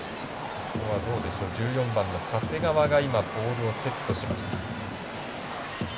１４番の長谷川がボールをセットしました。